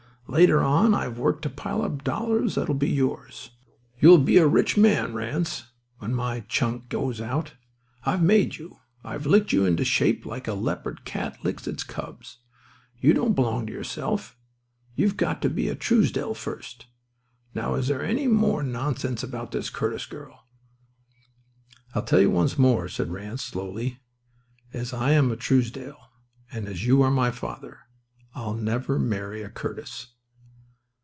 Later on I've worked to pile up dollars that'll be yours. You'll be a rich man, Ranse, when my chunk goes out. I've made you. I've licked you into shape like a leopard cat licks its cubs. You don't belong to yourself —you've got to be a Truesdell first. Now, is there to be any more nonsense about this Curtis girl?" "I'll tell you once more," said Ranse, slowly. "As I am a Truesdell and as you are my father, I'll never marry a Curtis."